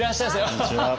こんにちは。